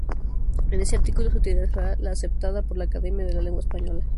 En este artículo se utilizará la aceptada por la Academia de la Lengua Española.